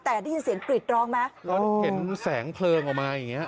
แต่ได้ยินเสียงกรีดร้องไหมเราเห็นแสงเพลิงออกมาอย่างเงี้